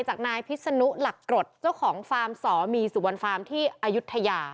จากนายพิษนุหลักกรดเจ้าของฟาร์มสมีสุวรรณฟาร์มที่อายุทยา